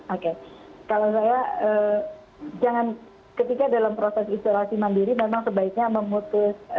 oke kalau saya jangan ketika dalam proses isolasi mandiri memang sebaiknya memutus